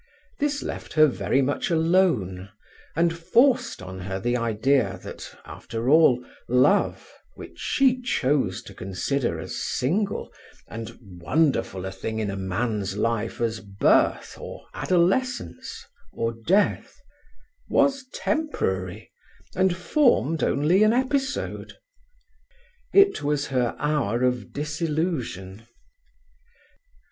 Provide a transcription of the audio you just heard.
This left her very much alone, and forced on her the idea that, after all, love, which she chose to consider as single and wonderful a thing in a man's life as birth, or adolescence, or death, was temporary, and formed only an episode. It was her hour of disillusion.